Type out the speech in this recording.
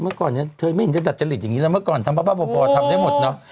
เมื่อก่อนเนี้ยเธอไม่เห็นจะจัดเจริญอย่างงี้แล้วเมื่อก่อนทำพ่อพ่อพ่อพ่อทำได้หมดเนอะ